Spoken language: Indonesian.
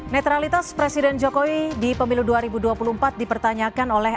netralitas presiden jokowi di pemilu dua ribu dua puluh empat dipertanyakan oleh